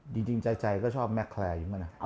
จริงใจก็ชอบแมคแคลร์ยิ้มป่ะนะ